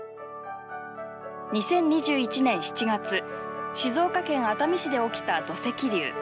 ２０２１年７月静岡県熱海市で起きた土石流。